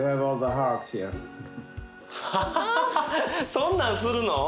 そんなんするの！？